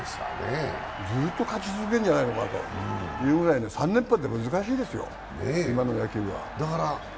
ずっと勝ち続けるんじゃないかというくらいの３連覇って難しいですよ、今の野球界は。